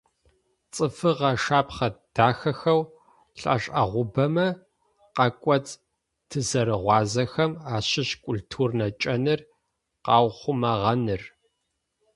Цӏыфыгъэ шэпхъэ дахэхэу лӏэшӏэгъубэмэ къакӏоцӏ тызэрыгъуазэхэм ащыщ культурнэ кӏэныр къэухъумэгъэныр.